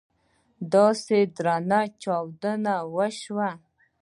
داسې درنې چاودنې وسوې.